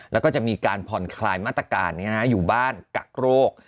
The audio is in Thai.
แล้วก็จะมีการผ่อนคลายมาตรการอยู่บ้านกักโรค